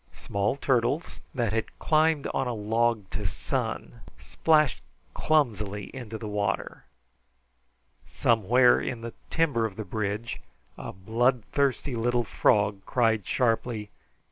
Small turtles, that had climbed on a log to sun, splashed clumsily into the water. Somewhere in the timber of the bridge a bloodthirsty little frog cried sharply.